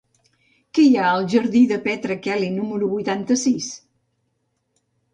Què hi ha al jardí de Petra Kelly número vuitanta-sis?